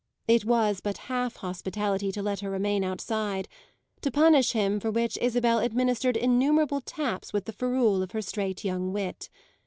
It was but half hospitality to let her remain outside; to punish him for which Isabel administered innumerable taps with the ferule of her straight young wit.